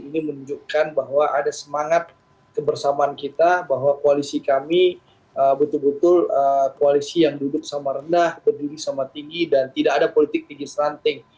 ini menunjukkan bahwa ada semangat kebersamaan kita bahwa koalisi kami betul betul koalisi yang duduk sama rendah berdiri sama tinggi dan tidak ada politik tinggi seranting